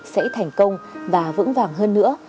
sẽ thành công và vững vàng hơn nữa